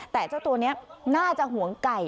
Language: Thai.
แต่เจ้าตัวนี้น่าจะห่วงไก่